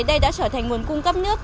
đây đã trở thành nguồn cung cấp nước